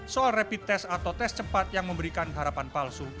soal rapid test atau tes cepat yang memberikan harapan palsu